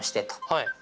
はい。